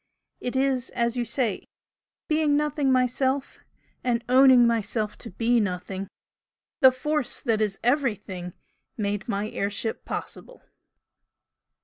"It is as you say, being Nothing myself, and owning myself to be Nothing; the Force that is Everything made my air ship possible!"